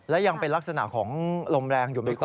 และยังเป็นลักษณะของลมแรงอยู่ไหมคุณ